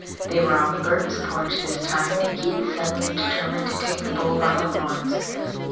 They were on the Burton porch this time, and Keith suddenly determined to take the bull by the horns.